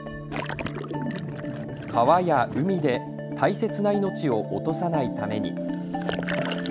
川や海で大切な命を落とさないために。